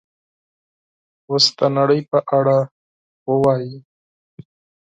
اوس د نړۍ په اړه ووایئ